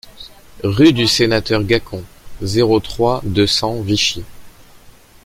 Rue du Sénateur Gacon, zéro trois, deux cents Vichy